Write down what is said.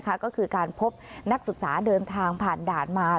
ก็คือการพบนักศึกษาเดินทางผ่านด่านมา